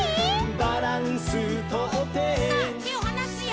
「バランスとって」さあてをはなすよ。